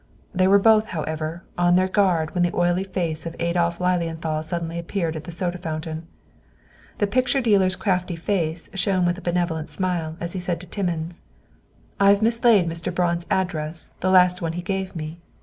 They were both, however, on their guard when the oily face of Adolph Lilienthal suddenly appeared at the soda fountain. The picture dealer's crafty face shone with a benevolent smile as he said to Timmins, "I've mislaid Mr. Braun's address, the last one he gave me!"